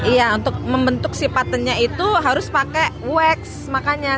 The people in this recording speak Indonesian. iya untuk membentuk si patentnya itu harus pakai wax makanya